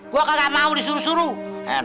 gue kagak mau disuruh suruh